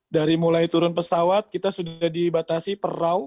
dari mulai turun pesawat kita sudah dibatasi per raw